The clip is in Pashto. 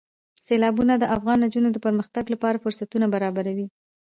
سیلابونه د افغان نجونو د پرمختګ لپاره فرصتونه برابروي.